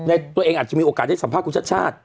อ่ะตัวเองอาจจะมีโอกาสได้สัมภาพคุณชาชาติ